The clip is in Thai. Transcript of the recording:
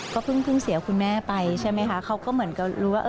ก็เพิ่งเสียคุณแม่ไปใช่ไหมคะเขาก็เหมือนกับรู้ว่า